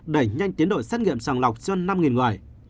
đẩy nhanh tiến đội xét nghiệm sàng lọc trên năm người